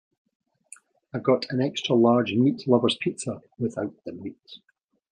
I’ve got an extra large meat lover’s pizza, without the meat?